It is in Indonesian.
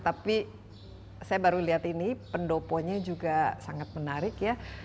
tapi saya baru lihat ini pendoponya juga sangat menarik ya